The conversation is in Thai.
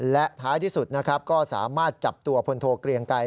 และท้ายที่สุดนะครับก็สามารถจับตัวพลโทเกลียงไกร